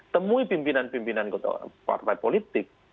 temui pimpinan pimpinan partai politik